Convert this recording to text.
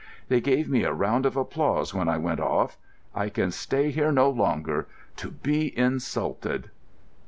They gave me a round of applause when I went off. I can stay here no longer, to be insulted."